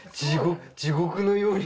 地獄のように。